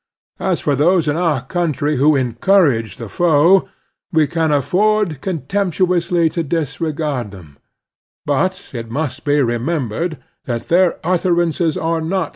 As for those in oiu: own country who encourage the foe, we can afford contemptuously to disregard them ; but it must be remembered that their utterances are not